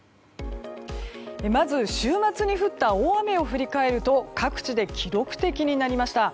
まず、週末に降った大雨を振り返ると各地で記録的になりました。